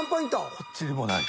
こっちでもない。